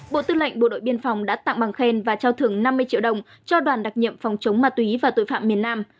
bộ tư lệnh bộ đội biên phòng đã tặng bằng khen và trao thưởng năm mươi triệu đồng cho đoàn đặc nhiệm phòng chống ma túy và tội phạm miền nam